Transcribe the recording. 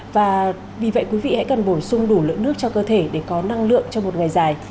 và vì vậy quý vị hãy cần bổ sung đủ lượng nước cho cơ thể để có năng lượng cho một ngày dài